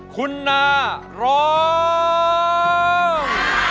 คุณนาร้อง